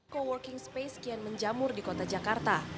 co working space kian menjamur di kota jakarta